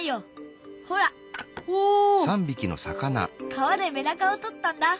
川でメダカをとったんだ。